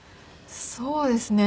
そうですね。